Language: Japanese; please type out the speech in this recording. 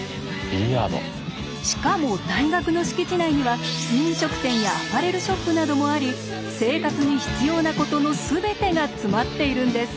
しかも大学の敷地内には飲食店やアパレルショップなどもあり生活に必要なことの全てが詰まっているんです。